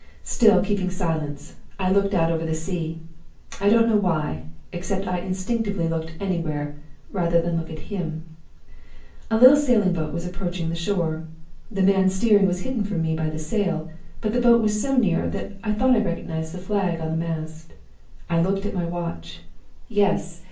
"Still keeping silence, I looked out over the sea. I don't know why, except that I instinctively looked anywhere rather than look at him. "A little sailing boat was approaching the shore. The man steering was hidden from me by the sail; but the boat was so near that I thought I recognized the flag on the mast. I looked at my watch. Yes!